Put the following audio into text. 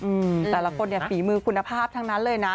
แต่ละคนเนี่ยฝีมือคุณภาพทั้งนั้นเลยนะ